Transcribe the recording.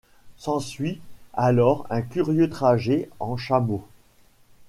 S'ensuit alors un curieux trajet en chameau.